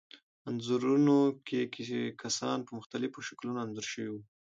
انځورونو کې کسان په مختلفو شکلونو انځور شوي وو.